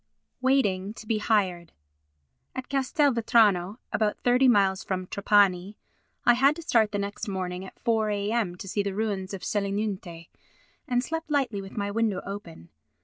Waiting to be Hired At Castelvetrano (about thirty miles from Trapani) I had to start the next morning at 4 a.m. to see the ruins of Selinunte, and slept lightly with my window open.